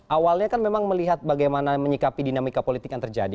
awalnya kan memang melihat bagaimana menyikapi dinamika politik yang terjadi